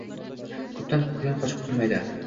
Ko‘pdan quyon qochib qutulmaydi